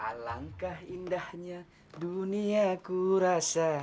alangkah indahnya dunia ku rasa